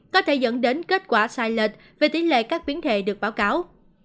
có thể dẫn đến kết quả sai lệch về tỷ lệ các biến thể được báo cáo